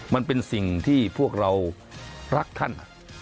มันเป็นสิ่งที่พวกเรารักท่าน